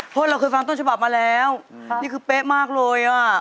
เพราะเราเคยฟังต้นฉบับมาแล้วนี่คือเป๊ะมากเลยอ่ะ